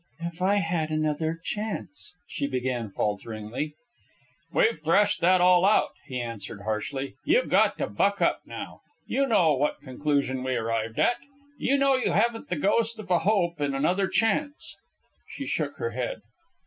"If I had another chance..." she began falteringly. "We've threshed that all out," he answered harshly. "You've got to buck up, now. You know what conclusion we arrived at. You know you haven't the ghost of a hope in another chance." She shook her head.